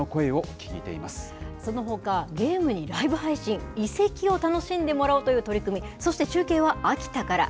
そのほか、ゲームにライブ配信、遺跡を楽しんでもらおうという取り組み、そして中継は秋田から。